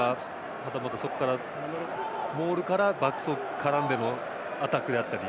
はたまたそこからモールからバックスが絡んでのアタックであったり。